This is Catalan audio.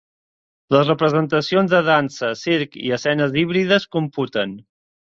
Les representacions de dansa, circ i escenes híbrides computen.